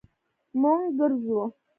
مونږ ګرځو